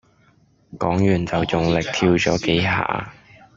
講完就用力跳咗幾下